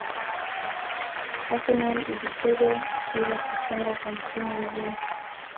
Arsenal ilicheza bila kufungwa kwa msimu mzima